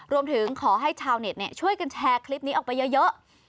รวมถึงขอให้ชาวเน็ตช่วยกันแชร์คลิปนี้ออกไปเยอะ